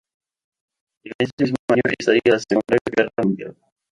En ese mismo año estalla la segunda guerra mundial.